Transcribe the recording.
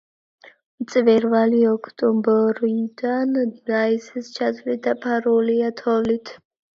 მწვერვალი ოქტომბრიდან მაისის ჩათვლით დაფარულია თოვლით.